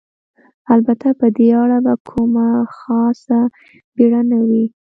البته په دې اړه به کومه خاصه بېړه نه وي.